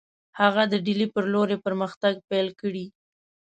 هغه د ډهلي پر لور یې پرمختګ پیل کړی.